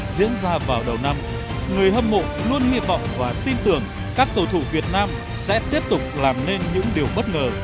diễn ra vào đầu năm người hâm mộ luôn hy vọng và tin tưởng các cầu thủ việt nam sẽ tiếp tục làm nên những điều bất ngờ